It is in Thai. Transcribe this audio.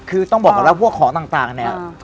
คือต้องบอกก่อนแล้วพวกของต่างเนี่ย